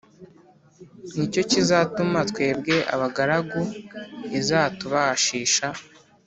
Ni cyo kizatuma twebwe abagaragu izatubashisha